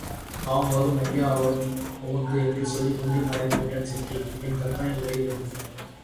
ஆம், வரும் ஐயா வரும் உமக்கு என்று சொல்லிக் கொண்டே மறைந்துவிட்டான் சிற்பி, என் கற்பனை உலகிலிருந்து.